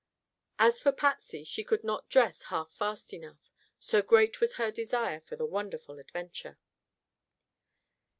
As for Patsy, she could not dress half fast enough, so great was her desire for the wonderful adventure.